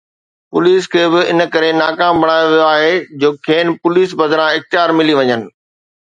police کي به ان ڪري ناڪام بڻايو ويو آهي جو کين پوليس بدران اختيار ملي وڃن